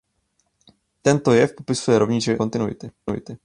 Tento jev popisuje rovnice kontinuity.